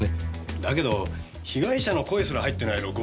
だけど被害者の声すら入ってない録音ですよ。